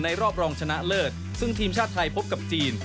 รอบรองชนะเลิศซึ่งทีมชาติไทยพบกับจีน